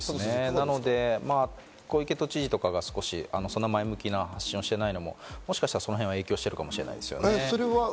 なので、小池都知事とかが前向きな発信をしていないのももしかしたら、そのへんが影響しているかもしれません。